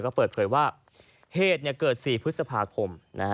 ก็เปิดเผยว่าเหตุเกิด๔พฤษภาคม